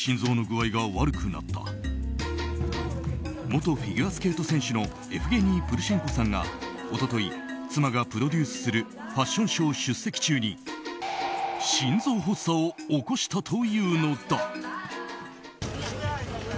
元フィギュアスケート選手のエフゲニー・プルシェンコさんが一昨日、妻がプロデュースするファッションショー出席中に心臓発作を起こしたというのだ。